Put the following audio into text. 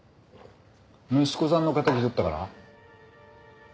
息子さんの敵とったから？